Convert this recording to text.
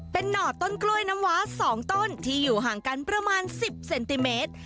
เป็นหน่อต้นกล้วยน้ำว้า๒ต้นที่อยู่ห่างกันประมาณ๑๐เซนติเมตร